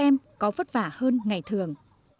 các em có vất vả hơn ngày thường